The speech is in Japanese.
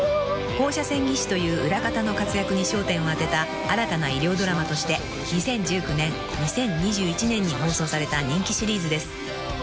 ［放射線技師という裏方の活躍に焦点を当てた新たな医療ドラマとして２０１９年２０２１年に放送された人気シリーズです］